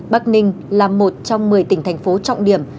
bắc ninh là một trong một mươi tỉnh thành phố trọng điểm